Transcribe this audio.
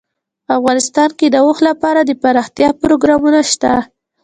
افغانستان کې د اوښ لپاره دپرمختیا پروګرامونه شته.